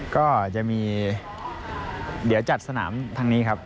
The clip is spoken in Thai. ก็จะมีเดี๋ยวจัดสนามทางนี้ครับ